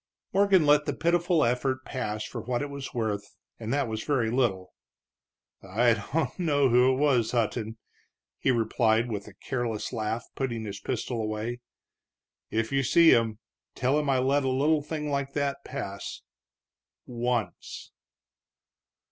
Morgan let the pitiful effort pass for what it was worth, and that was very little. "I don't know who it was, Hutton," he replied, with a careless laugh, putting his pistol away. "If you see him, tell him I let a little thing like that pass once."